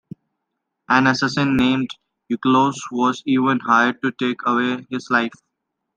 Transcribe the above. An assassin named Eucolus was even hired to take away his life.